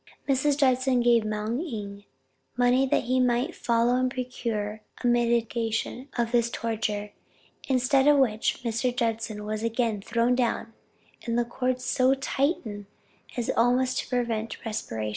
Mrs. Judson gave Moung Ing money that he might follow and procure a mitigation of this torture, instead of which, Mr. Judson was again thrown down, and the cords so tightened as almost to prevent respiration.